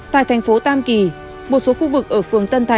tại thành phố tam kỳ một số khu vực ở phường tân thạnh